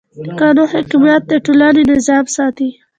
د قانون حاکمیت د ټولنې نظم ساتي.